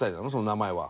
名前は。